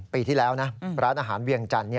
ปีที่แล้วนะร้านอาหารเวียงจันทร์